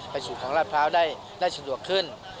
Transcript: สู่ของราชพร้าวได้สะดวกขึ้น